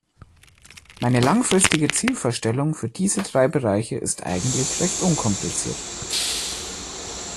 Meine langfristige Zielvorstellung für diese drei Bereiche ist eigentlich recht unkompliziert.